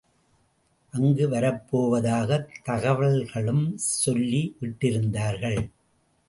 அங்கு வரப்போவதாகத் தகவல்களும் சொல்லி விட்டிருந்தார்கள்.